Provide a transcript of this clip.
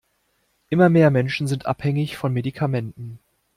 Immer mehr Menschen sind abhängig von Medikamenten.